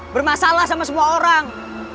bermasalah sama semua orang